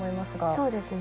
そうですね。